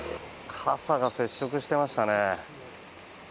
傘が接触していましたね。